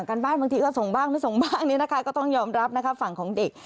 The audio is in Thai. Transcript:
การบ้านบางทีก็ส่งบ้างไม่ส่งบ้างเนี่ยนะคะก็ต้องยอมรับนะคะฝั่งของเด็ก